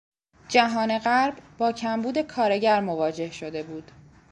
جهان غرب با کمبود کارگر مواجه شده بود.